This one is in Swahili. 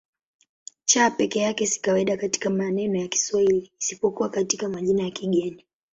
C peke yake si kawaida katika maneno ya Kiswahili isipokuwa katika majina ya kigeni.